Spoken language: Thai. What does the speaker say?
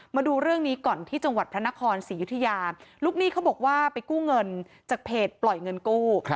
มาดูเรื่องนี้ก่อนที่จังหวัดพระนครศรียุธยาลูกหนี้เขาบอกว่าไปกู้เงินจากเพจปล่อยเงินกู้